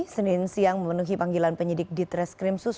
senin siang memenuhi panggilan penyidik ditres krimsus